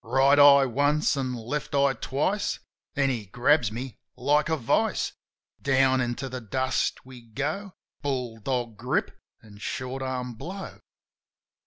... Right eye once and left eye twice — Then he grabs me like a vise. ... Down into the dust we go — Bull dog grip and short arm blow.